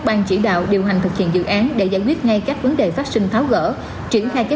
ban chỉ đạo điều hành thực hiện dự án để giải quyết ngay các vấn đề phát sinh tháo gỡ triển khai kế